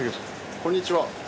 こんにちは。